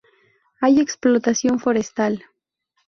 Hay explotación forestal.